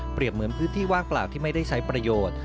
เหมือนพื้นที่ว่างเปล่าที่ไม่ได้ใช้ประโยชน์